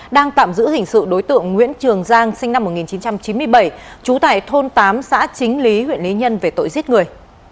đang tạm giữ hình sự đối tượng nguyễn trường giang sinh năm một nghìn chín trăm chín mươi bảy trú tại thôn tám xã chính lý huyện lý nhân về tội giết người